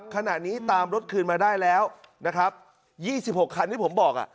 ขณะนี้ตามรถคืนมาได้แล้ว๒๖คันที่ผมบอก